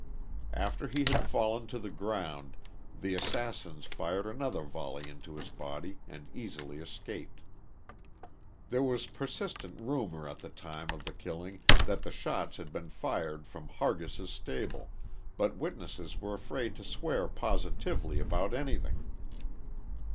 After he had fallen to the ground the assassins fired another volley into his body and easily escaped. There was persistent rumor at the time of the killing that the shots had been fired from Hargis' stable, but witnesses were afraid to swear positively about anything.